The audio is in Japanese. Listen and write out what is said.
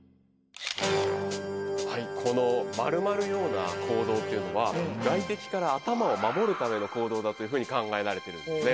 はいこの丸まるような行動っていうのは外敵から頭を守るための行動だというふうに考えられているんですね